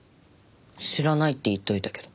知らないって言っておいたけど。